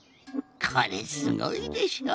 これすごいでしょ。